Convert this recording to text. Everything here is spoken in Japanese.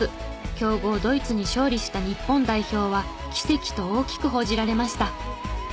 強豪ドイツに勝利した日本代表は「奇跡」と大きく報じられました。